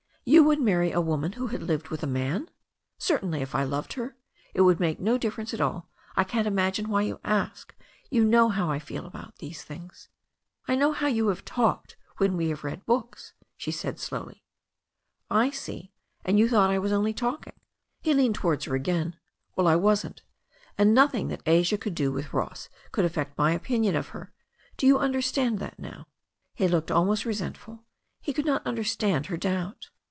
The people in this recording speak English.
'You would marry a woman who had lived with a man?" 'Certainly, if I loved her. It would make no difference at all. I can't imagine why you ask. You know how I feel about these things." "I know how you have talked when we have read books," she said slowly. "I see, and you thought I was only talking." He leaned towards her again. "Well, I wasn't. And nothing that Asia could do with Ross could affect my opinion of her. Do you understand that now?" He looked almost resentful. He could not understand her doubt.